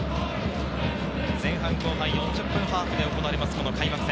前半、後半４０分ハーフで行われる開幕戦。